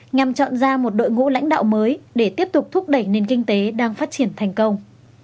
nhằm chọn ra một đội ngũ lãnh đạo mới để tiếp tục thúc đẩy nền kinh tế đang phát triển thành công